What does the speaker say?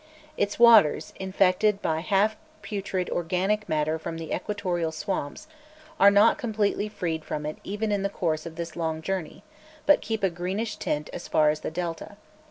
Its waters, infected by half putrid organic matter from the equatorial swamps, are not completely freed from it even in the course of this long journey, but keep a greenish tint as far as the Delta.